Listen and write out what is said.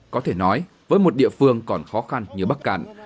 có thể nói với một địa phương còn khó khăn như bắc cạn